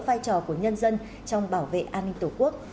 vai trò của nhân dân trong bảo vệ an ninh tổ quốc